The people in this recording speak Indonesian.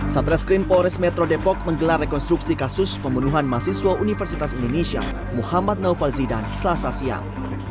satreskrim polres metro depok menggelar rekonstruksi kasus pembunuhan mahasiswa universitas indonesia muhammad naufal zidan selasa siang